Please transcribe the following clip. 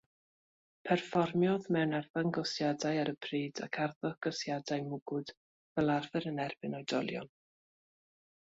Perfformiodd mewn arddangosiadau ar y pryd ac arddangosiadau mwgwd, fel arfer yn erbyn oedolion.